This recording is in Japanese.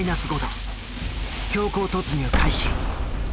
強行突入開始。